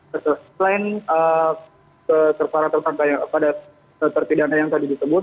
betul selain seterpara terpandang pada terpidana yang tadi disebut